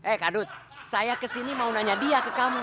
eh kadut saya kesini mau nanya dia ke kamu